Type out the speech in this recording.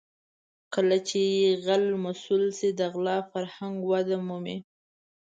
کله چې غل مسوول شي د غلا فرهنګ وده مومي.